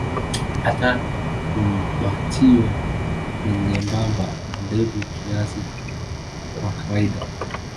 Hata fumbatio ni nyembamba na ndefu kiasi kwa kawaida.